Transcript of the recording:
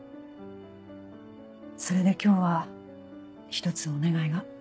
それで今日は一つお願いが。